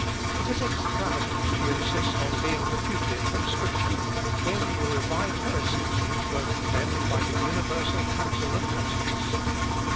It is extravagant to insist on being refuted from Scripture, when you revive heresies which were condemned by the universal Council of Constance.